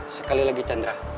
sekali lagi chandra